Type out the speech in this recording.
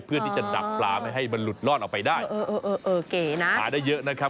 เพื่อที่จะดักปลาไม่ให้มันหลุดลอดออกไปได้เออเออเออเก๋นะหาได้เยอะนะครับ